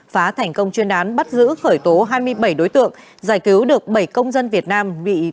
phá thành công chuyên án bắt giữ khởi tố hai mươi bảy đối tượng giải cứu được bảy công dân việt nam